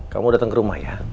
kamu datang ke rumah ya